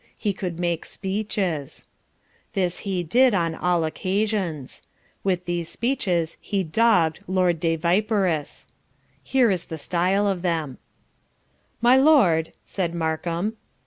He could make speeches. This he did on all occasions. With these speeches he "dogged" Lord de Viperous. Here is the style of them: "'My Lord,' said Markham..."